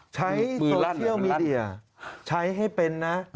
ใช้โซเชียลมีเดียใช้ให้เป็นนะ